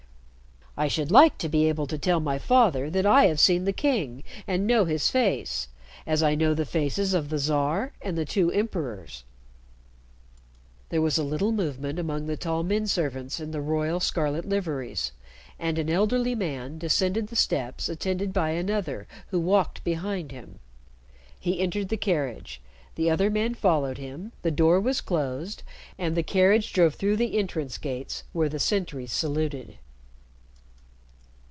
"I should like to be able to tell my father that I have seen the King and know his face, as I know the faces of the czar and the two emperors." There was a little movement among the tall men servants in the royal scarlet liveries, and an elderly man descended the steps attended by another who walked behind him. He entered the carriage, the other man followed him, the door was closed, and the carriage drove through the entrance gates, where the sentries saluted.